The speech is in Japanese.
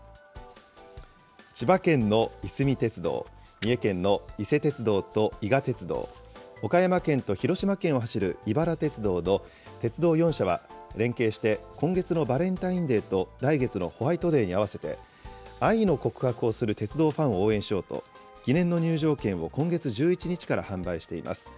千葉県のいすみ鉄道、三重県の伊勢鉄道と伊賀鉄道、岡山県と広島県を走る井原鉄道の鉄道４社は、連携して今月のバレンタインデーと、来月のホワイトデーに合わせて、愛の告白をする鉄道ファンを応援しようと、記念の入場券を今月１１日から販売しています。